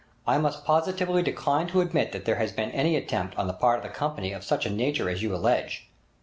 I must positively decline to admit that there has been any attempt on the part of the company of such a nature as you allege.'